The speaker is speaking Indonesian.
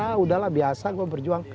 ah udahlah biasa gua berjuang